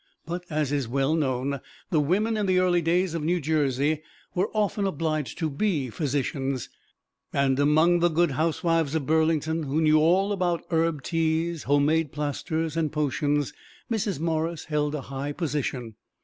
But, as is well known, the women in the early days of New Jersey were often obliged to be physicians; and among the good housewives of Burlington, who knew all about herb teas, homemade plasters, and potions, Mrs. Morris held a high position.